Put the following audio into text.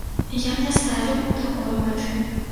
Я не ставіў такой мэты.